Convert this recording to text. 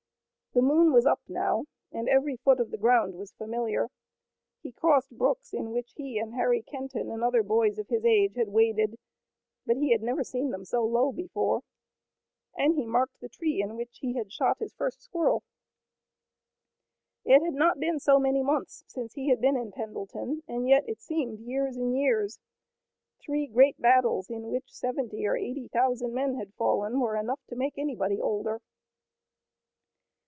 The moon was up now, and every foot of the ground was familiar. He crossed brooks in which he and Harry Kenton and other boys of his age had waded but he had never seen them so low before and he marked the tree in which he had shot his first squirrel. It had not been so many months since he had been in Pendleton, and yet it seemed years and years. Three great battles in which seventy or eighty thousand men had fallen were enough to make anybody older.